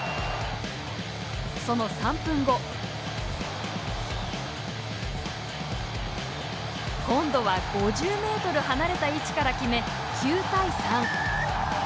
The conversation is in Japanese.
その３分後今度は５０ｍ離れた位置から決め９対３。